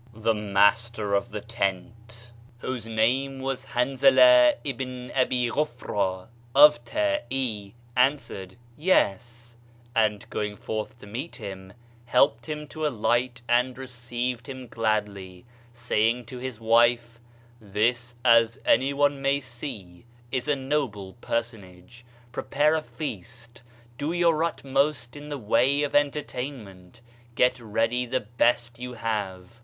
The master of the tent, whose name was Han zalah Ibn Ab'i Ghofra of Taey, answered ,"Yc8," and going forth to meet him, helped him to alight and received him gladly, saying to his wife, "This, as anyone may see, is a noble personage. Prepare a feast, do your utmost in the way of entertainment, get ready the best you have."